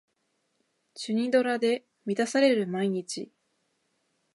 チュニドラで満たされる毎日